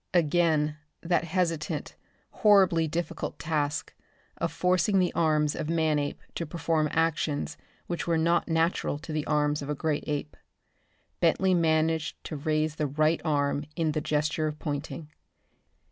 Again that hesitant, horribly difficult task, of forcing the arms of Manape to perform actions which were not natural to the arms of a great ape. Bentley managed to raise the right arm in the gesture of pointing.